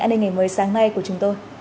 an ninh ngày mới sáng nay của chúng tôi